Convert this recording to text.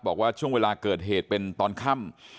บอกว่าช่วงเวลาเกิดเหตุเป็นตอนค่ำ